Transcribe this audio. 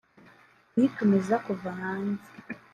kuyitumiza kuva hanze